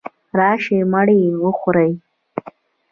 راشئ مړې وخورئ.